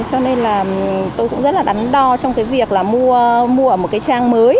cho nên là tôi cũng rất là đắn đo trong cái việc là mua ở một cái trang mới